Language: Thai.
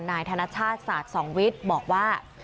นายธนชาติศาสตร์สองวิทย์บอกว่า